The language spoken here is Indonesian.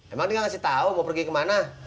emang dia nggak kasih tau mau pergi kemana